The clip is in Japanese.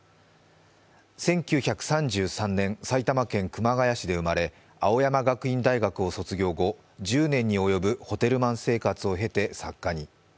１９３３年、埼玉県熊谷市で生まれ青山学院大学を卒業後１０年に及ぶホテルマン生活を経て作家に。